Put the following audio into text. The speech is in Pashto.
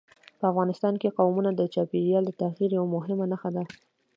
په افغانستان کې قومونه د چاپېریال د تغیر یوه مهمه نښه ده.